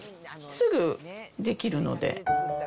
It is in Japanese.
すぐ出来るので。